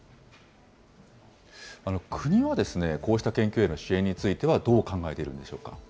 国は、こうした研究への支援についてはどう考えているんでし